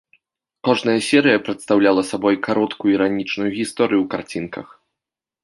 Кожная серыя прадстаўляла сабой кароткую іранічную гісторыю ў карцінках.